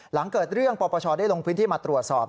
หลังเกิดเรื่องปปชได้ลงพื้นที่มาตรวจสอบ